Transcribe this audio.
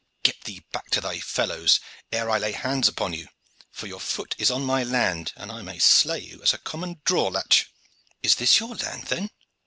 Get thee back to thy fellows ere I lay hands upon you: for your foot is on my land, and I may slay you as a common draw latch." "Is this your land, then?"